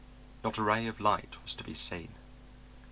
Not a ray of light was to be seen.